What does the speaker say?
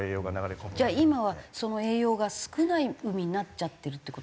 じゃあ今はその栄養が少ない海になっちゃってるって事ですか。